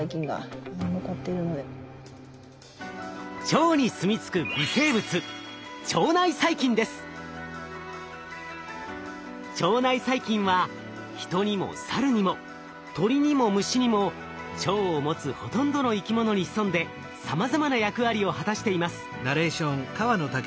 腸にすみ着く微生物腸内細菌はヒトにもサルにも鳥にも虫にも腸を持つほとんどの生き物に潜んでさまざまな役割を果たしています。